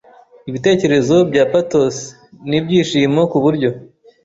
ibitekerezo bya patos nibyishimo kuburyo